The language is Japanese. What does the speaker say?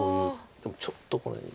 でもちょっとこの辺。